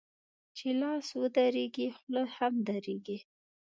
چي لاس و درېږي ، خوله هم درېږي.